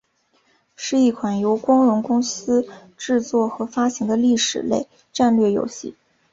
是一款由光荣公司制作和发行的历史类战略游戏。